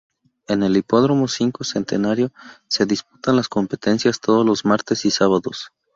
En el Hipódromo V Centenario se disputan las competencias todos los martes y sábados.